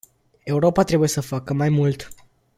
Europa trebuie să facă mai mult.